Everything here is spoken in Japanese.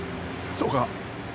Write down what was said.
そうか。